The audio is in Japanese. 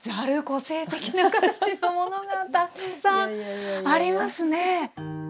個性的な形のものがたくさんありますね。